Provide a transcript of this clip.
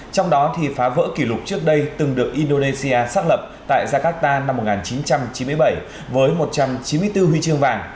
trong đó phá vỡ kỷ lục trước đây từng được indonesia xác lập tại jakarta năm một nghìn chín trăm chín mươi bảy với một trăm chín mươi bốn huy chương vàng